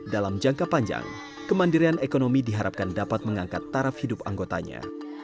dalam jangka panjang kemandirian ekonomi diharapkan dapat mengangkat taraf hidup anggotanya